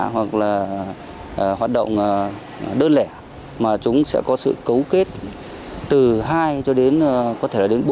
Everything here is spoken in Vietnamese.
hoặc là hoạt động đơn lẻ mà chúng sẽ có sự cấu kết từ hai cho đến có thể là đến bốn mươi